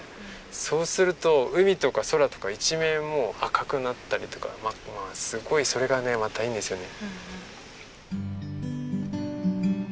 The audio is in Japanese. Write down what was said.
そうすると海とか空とか一面もう赤くなったりとかすごいそれがねまたいいんですよね。